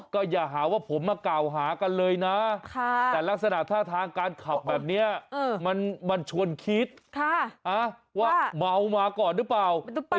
ก็อย่าหาว่าผมมากล่าวหากันเลยนะแต่ลักษณะท่าทางการขับแบบนี้มันชวนคิดว่าเมามาก่อนหรือเปล่า